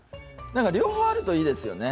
なんか両方あるといいですよね。